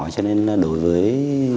cho nên đối với